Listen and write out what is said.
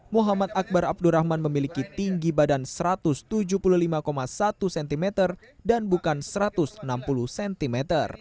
muhammad akbar abdurrahman memiliki tinggi badan satu ratus tujuh puluh lima satu cm dan bukan satu ratus enam puluh cm